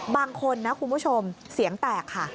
บางคนนะคุณผู้ชมเสียงแตกค่ะ